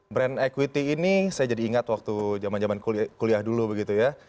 brand equity ini saya jadi ingat waktu zaman zaman kuliah dulu begitu ya